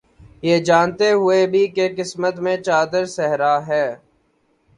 یہ جانتے ہوئے بھی، کہ قسمت میں چادر صحرا ہے